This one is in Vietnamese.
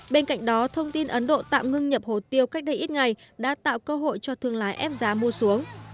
bên cạnh đó thông tin ấn độ tạm ngưng nhập hồ tiêu cách đây ít ngày đã tạo cơ hội cho thương lái ép giá mua xuống